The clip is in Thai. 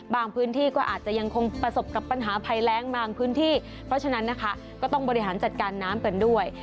พื้นที่ก็อาจจะยังคงประสบกับปัญหาภัยแรงบางพื้นที่เพราะฉะนั้นนะคะก็ต้องบริหารจัดการน้ำกันด้วย